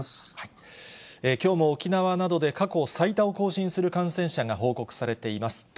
きょうも沖縄などで過去最多を更新する感染者が報告されています。